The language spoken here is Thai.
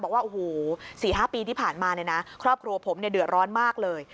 บอกว่าโอ้โห๔๕ปีที่ผ่านมาเนี่ยนะครอบครัวผมเดือดร้อนมากเลย